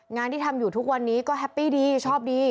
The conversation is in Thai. งานที่ทำอยู่ทุกวันนี้ก็แฮปปี้ดีชอบดี